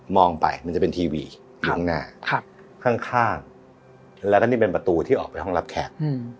ไปมันจะเป็นทีวีอยู่ข้างหน้าข้างแล้วก็นี่เป็นประตูที่ออกไปห้องรับแขก